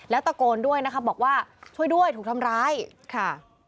แล้วตะโกนด้วยนะครับบอกว่าช่วยด้วยถูกทำร้ายค่ะ